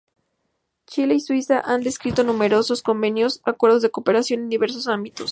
Chile y Suiza han suscrito numerosos convenios y acuerdos de cooperación en diversos ámbitos.